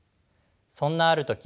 そんなある時